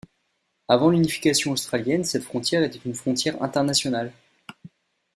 Avant l'unification australienne, cette frontière était une frontière internationale.